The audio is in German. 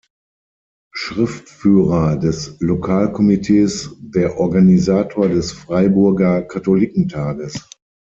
Schriftführer des Lokalkomitees der Organisator des Freiburger Katholikentages.